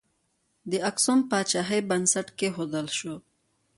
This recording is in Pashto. د اکسوم پاچاهۍ بنسټ کښودل شو.